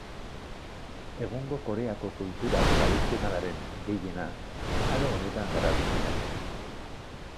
Egungo Koreako kultura tradizionalaren gehiena aro honetan garatu zuten.